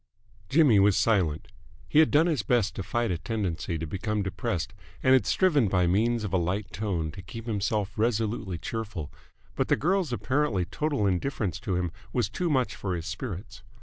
Jimmy was silent. He had done his best to fight a tendency to become depressed and had striven by means of a light tone to keep himself resolutely cheerful, but the girl's apparently total indifference to him was too much for his spirits.